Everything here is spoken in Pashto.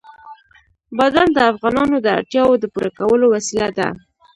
بادام د افغانانو د اړتیاوو د پوره کولو وسیله ده.